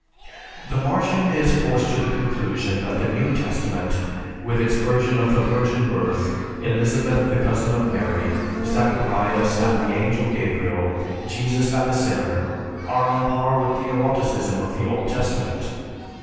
The Martian is forced to the conclusion that the New Testament, with its version of the Virgin Birth, Elizabeth, the cousin of Mary, Zacharias and the Angel Gabriel, Jesus and the Sinner, are on par with the eroticism of the Old Testament.